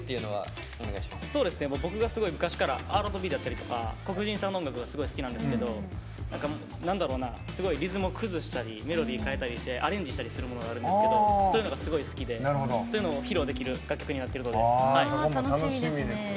僕が昔からＲ＆Ｂとか黒人さんの音楽がすごく好きなんですけどすごいリズムを崩したりメロディー変えたりアレンジがあるんですけどそういうのがすごい好きでそういうのを披露できる楽曲になってるので。